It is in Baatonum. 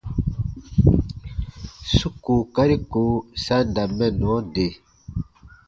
Su kookari ko sa n da mɛnnɔ de.